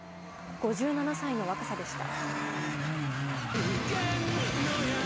５７歳の若さでした。